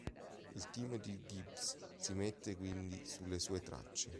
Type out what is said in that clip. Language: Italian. Il team di Gibbs si mette quindi sulle sue tracce.